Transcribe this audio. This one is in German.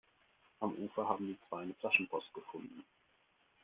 Am Ufer haben die zwei eine Flaschenpost gefunden.